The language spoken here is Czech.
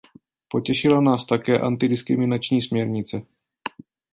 Potěšila nás také antidiskriminační směrnice.